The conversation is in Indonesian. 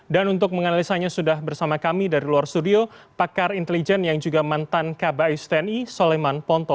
dan untuk menganalisanya sudah bersama kami dari luar studio pakar intelijen yang juga mantan kbh tni soleman ponto